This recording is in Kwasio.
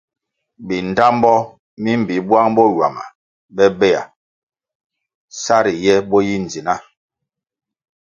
Bindtambo mi bi bwang bo ywama bobea sa ri ye bo yi ndzina.